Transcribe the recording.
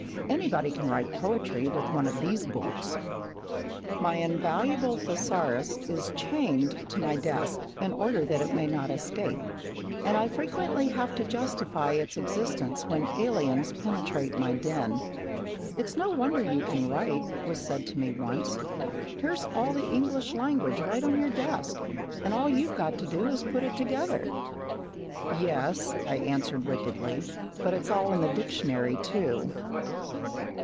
Anybody can write poetry with one of these books!" My invaluable thesaurus is chained to my desk in order that it may not escape, and I frequently have to justify its existence when aliens penetrate my den. "It's no wonder you can write," was said to me once. "Here's all the English language right on your desk, and all you've got to do is to put it together." "Yes," I answered wickedly, "but it's all in the dictionary too."